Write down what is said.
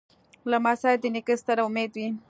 لمسی د نیکه ستر امید وي.